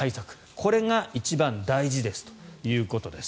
これが一番大事ですということです。